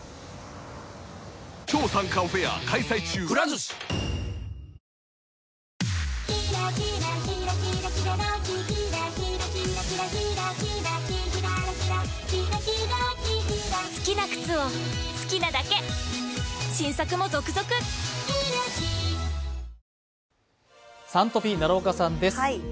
「Ｓｕｎトピ」、奈良岡さんです。